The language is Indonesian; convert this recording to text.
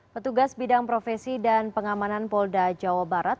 petugas bidang profesi dan pengamanan polda jawa barat